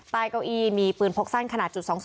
ตายเกาอีมีปืนพกสั้นขนาดจุด๒๒